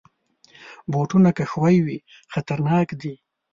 بوټونه که ښوی وي، خطرناک دي.